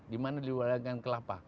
di mana diwilayahkan kelapa